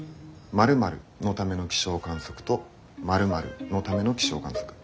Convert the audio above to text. ○○のための気象観測と○○のための気象観測。